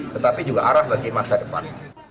tetapi juga arah bagi masa depan